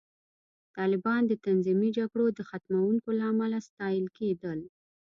طالبان د تنظیمي جګړو د ختموونکو له امله ستایل کېدل